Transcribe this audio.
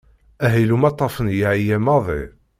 Ahil umaṭṭaf-nni yeɛya maḍi.